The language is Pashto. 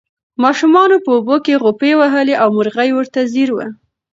ماشومانو په اوبو کې غوپې وهلې او مرغۍ ورته ځیر وه.